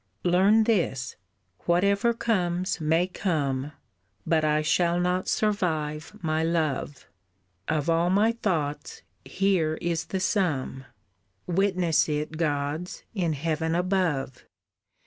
"Learn this, whatever comes may come, But I shall not survive my Love, Of all my thoughts here is the sum! Witness it gods in heaven above.